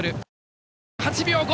５８秒５！